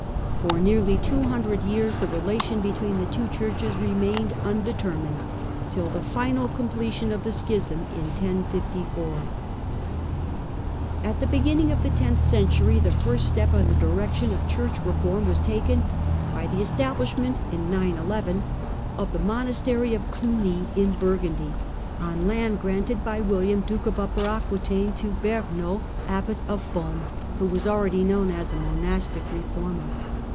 For nearly two hundred years the relation between the two Churches remained unde j termined, till the final completion of the schism in | 1054. Foundation At the beginning of the tenth century the first step ofciuny, j n foe direction of Church reform was taken by the establishment, in 911, of the monastery of Cluny, in I Burgundy, on land granted by William, Duke of Upper Aquetaine, to Berno, Abbot of Beaume, who was already I known as a monastic reformer.